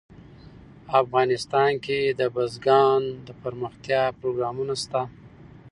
افغانستان کې د بزګان لپاره دپرمختیا پروګرامونه شته.